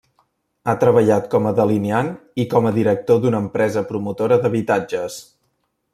Ha treballat com a delineant i com a director d'una empresa promotora d'habitatges.